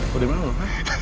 lo udah malu kan